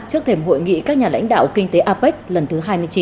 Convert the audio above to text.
trước thềm hội nghị các nhà lãnh đạo kinh tế apec lần thứ hai mươi chín